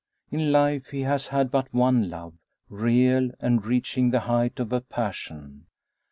In life he has had but one love, real, and reaching the height of a passion.